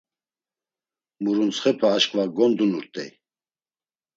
Muruntsxepe aşǩva gondunurt̆ey.